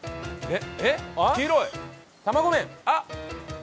えっ？